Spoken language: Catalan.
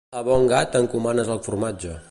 A bon gat encomanes el formatge.